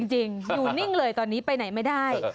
จริงอยู่นิ่งเลยตอนนี้ไปไหนไม่ได้